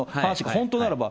本当ならば。